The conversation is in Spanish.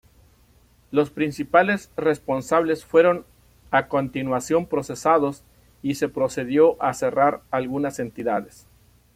Los principales responsables fueron a continuación procesados y se procedió a cerrar algunas entidades.